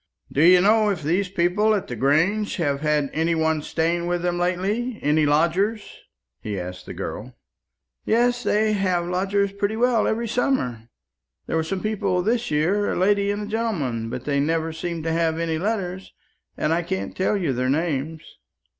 "Do you know if these people at the Grange have had any one staying with them lately any lodgers?" he asked the girl. "Yes; they have lodgers pretty well every summer. There were some people this year, a lady and gentleman; but they never seemed to have any letters, and I can't tell you their names."